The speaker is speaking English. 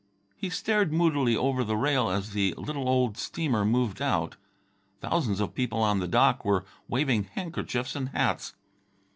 He stared moodily over the rail as the little old steamer moved out. Thousands of people on the dock were waving handkerchiefs and hats.